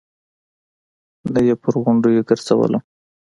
نه يې پر غونډيو ګرځولم.